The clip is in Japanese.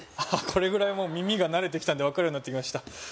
これぐらい耳が慣れてきたんで分かるようになってきました